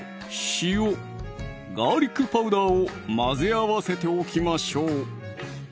・塩・ガーリックパウダーを混ぜ合わせておきましょう